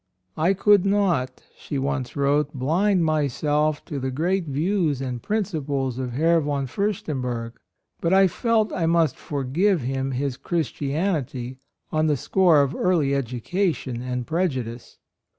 "I could not," she once wrote, "blind myself to the great views and principles of Herr von Fiirstenberg; but I felt I must forgive him his Christianity on the score of early education and prejudice.